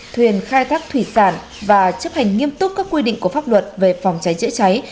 thuyền khai thác thủy sản và chấp hành nghiêm túc các quy định của pháp luật về phòng cháy chữa cháy